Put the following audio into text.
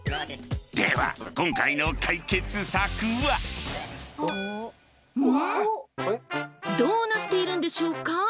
では今回の解決策は？どうなっているんでしょうか？